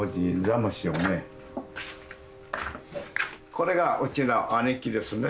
これがうちの兄貴ですね。